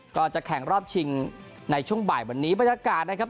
ก็จะแข่งรอบชิงในช่วงบ่ายวันนี้บรรยากาศนะครับ